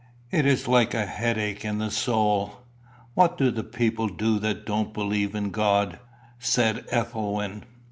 It is like a headache in the soul." "What do the people do that don't believe in God?" said Ethelwyn.